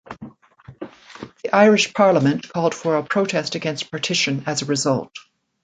The Irish parliament called for a Protest Against Partition as a result.